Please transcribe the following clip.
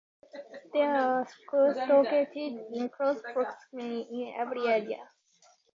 There are schools located in close proximity in every area.